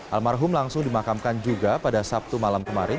almarhum langsung dimakamkan juga pada sabtu malam kemarin